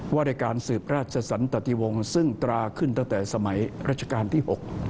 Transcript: ว่าด้วยการสืบราชสันตติวงศ์ซึ่งตราขึ้นตั้งแต่สมัยราชการที่๖